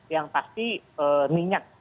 yang pasti minyak